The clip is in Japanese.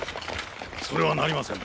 それはなりませぬ。